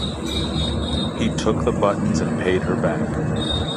He took the buttons and paid her back.